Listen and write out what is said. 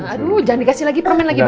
aduh jangan dikasih lagi permen lagi